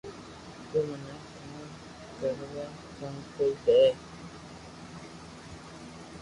تو مني ڪوم ڪروا ڪون ڪئي دي